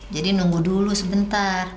jadi nunggu dulu sebentar